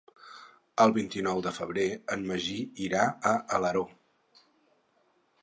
El vint-i-nou de febrer en Magí irà a Alaró.